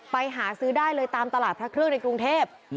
ไปหาซื้อได้เลยตามตลาดพระเครื่องในกรุงเทพ